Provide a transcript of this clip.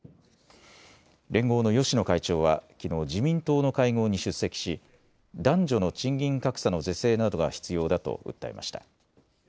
連合の芳野会長は、きのう自民党の会合に出席し男女の賃金格差の是正などが必要だと訴えました。